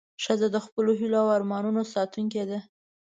ښځه د خپلو هیلو او ارمانونو ساتونکې ده.